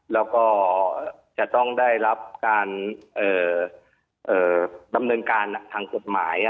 แล้วก็จะต้องได้รับการดำเนินการทางกฎหมาย